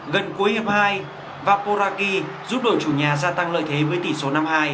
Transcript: gần cuối hiệp hai vaporaki giúp đội chủ nhà gia tăng lợi thế với tỷ số năm hai